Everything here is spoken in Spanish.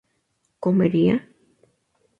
¿comería?